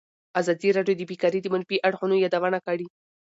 ازادي راډیو د بیکاري د منفي اړخونو یادونه کړې.